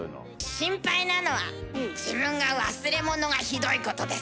心配なのは自分が忘れ物がひどいことです。